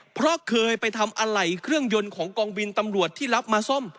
เพราะเคยไปทำอะไหล่เครื่องยนต์ของกองบินตำรวจที่รับมาซ่อม